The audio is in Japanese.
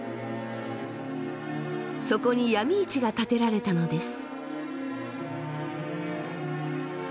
そこにヤミ市が建てられたのです。